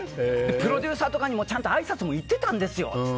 プロデューサーとかにもちゃんとあいさつも行ってたんですよって。